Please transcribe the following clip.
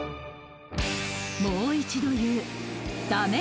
もう一度言うダメ！